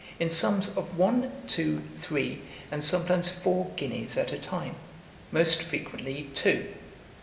in sums of one, two, three, and sometimes four guineas at a time, most frequently two.